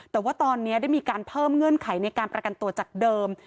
แต่ว่าตอนนี้ได้มีการเพิ่มเงื่อนไขในการประกันตัวจากเดิม